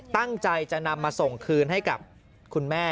ตั้งใจจะนำมาส่งคืนให้กับคุณแม่